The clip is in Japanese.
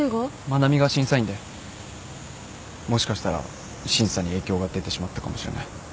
愛菜美が審査員でもしかしたら審査に影響が出てしまったかもしれない。